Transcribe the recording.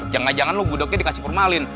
jangan jangan lo budaknya dikasih permalin